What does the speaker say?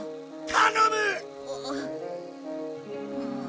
頼む！